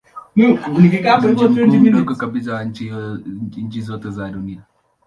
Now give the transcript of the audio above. Ni mji mkuu mdogo kabisa wa nchi zote za dunia.